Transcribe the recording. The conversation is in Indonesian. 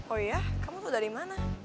oh iya kamu tuh dari mana